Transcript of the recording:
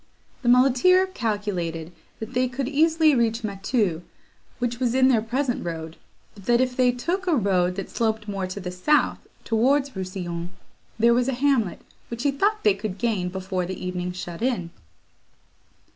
The muleteer calculated that they could easily reach Mateau, which was in their present road; but that, if they took a road that sloped more to the south, towards Rousillon, there was a hamlet, which he thought they could gain before the evening shut in.